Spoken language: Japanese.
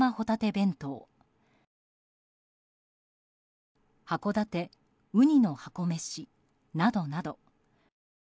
弁当函館うにの箱めし、などなど。